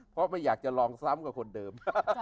เพราะไม่อยากจะลองทั้งคนเดิม